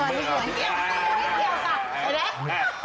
ไม่เกี่ยวค่ะ